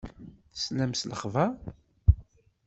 Teslam s lexber?